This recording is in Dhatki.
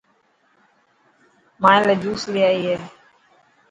مائي لا جوس لي اي.